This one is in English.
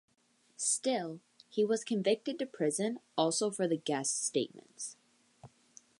Still, he was convicted to prison also for the guest's statements.